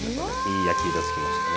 いい焼き色が付きましたね。